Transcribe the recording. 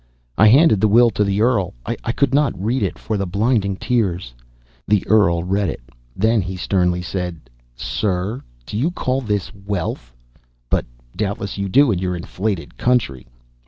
I handed the will to the earl; I could not read it for the blinding tears. The earl read it; then he sternly said, �Sir, do you call this wealth? but doubtless you do in your inflated country.